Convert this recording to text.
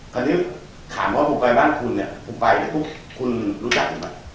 คราวนี้ถามว่าผมไปบ้านคุณผมไปแล้วคุณรู้จักกันไหม